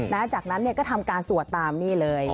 จากนั้นก็ทำการสวดตามนี่เลย